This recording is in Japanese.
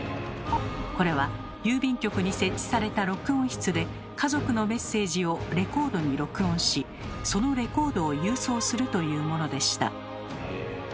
これは郵便局に設置された録音室で家族のメッセージをレコードに録音しそのレコードを郵送するというものでした。